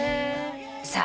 さあ